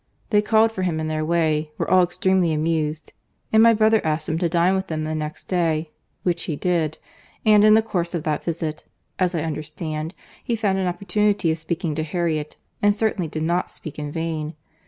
They called for him in their way; were all extremely amused; and my brother asked him to dine with them the next day—which he did—and in the course of that visit (as I understand) he found an opportunity of speaking to Harriet; and certainly did not speak in vain.